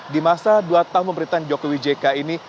di masa dua tahun pemerintahan jokowi jk ini